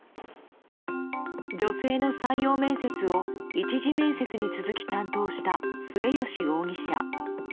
女性の採用面接を１次面接に続き担当した末吉容疑者。